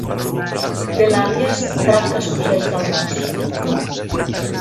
Té l'àlies "Drac que sorgeix del bosc".